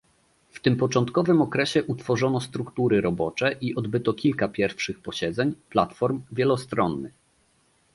W tym początkowym okresie utworzono struktury robocze i odbyto kilka pierwszych posiedzeń platform wielostronnych